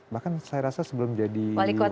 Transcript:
bahkan saya rasa sebelum jadi wali kota